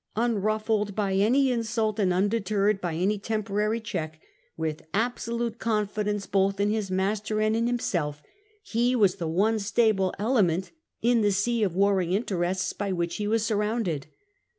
Unruffled by any insult and undeterred by any tempo rary check, with absolute confidence both in his master and in himself, he was the one stable element in the sea of warring interests by which he was surrounded.